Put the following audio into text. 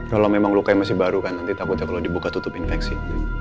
kalau memang luka yang masih baru kan nanti takut ya kalau dibuka tutup infeksi